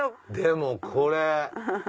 でもこれ。